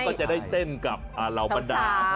ก็จะได้เต้นกับเหล่าบรรดา